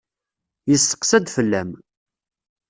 Yesseqsa-d fell-am.